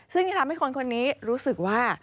ซึ่งที่ทำให้คนคนนี้รู้สึกว่า